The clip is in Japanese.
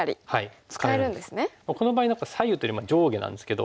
この場合何か左右というよりも上下なんですけど。